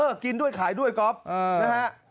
กินด้วยขายด้วยก๊อฟนะฮะ